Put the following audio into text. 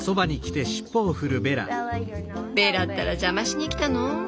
ベラったら邪魔しにきたの？